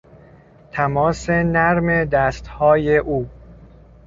تماس نرم دستهای او